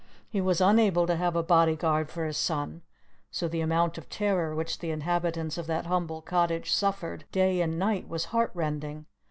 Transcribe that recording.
He was unable to have a body guard for his son; so the amount of terror which the inhabitants of that humble cottage suffered day and night was heart rending.